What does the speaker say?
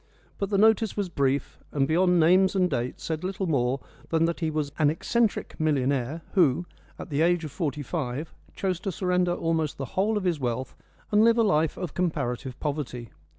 But the notice was brief, and beyond names and dates said little more than that he was "an eccentric millionaire, who, at the age of forty five, chose to surrender almost the whole of his wealth and live a life of comparative poverty.